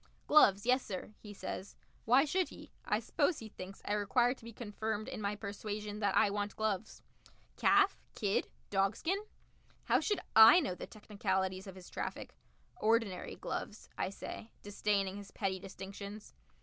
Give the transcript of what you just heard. "Gloves, yessir," he says. Why should he? I suppose he thinks I require to be confirmed in my persuasion that I want gloves. "Calf kid dogskin?" How should I know the technicalities of his traffic? "Ordinary gloves," I say, disdaining his petty distinctions.